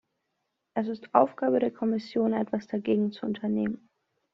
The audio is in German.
Es ist Aufgabe der Kommission, etwas dagegen zu unternehmen.